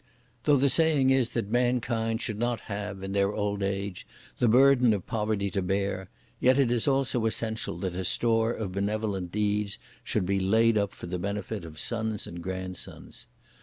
Though the saying is that mankind should not have, in their old age, the burden of poverty to bear, yet it is also essential that a store of benevolent deeds should be laid up for the benefit of sons and grandsons!